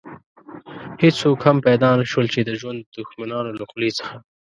هېڅوک هم پيدا نه شول چې د ژوند د دښمنانو له خولې څخه.